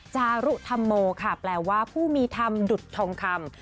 จารุธัมโมแปลว่าผู้มีธรรมดุจทงคำ